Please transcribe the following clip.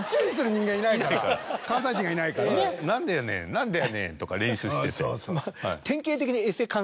「なんでやねん」とか練習してて。